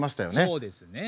そうですね。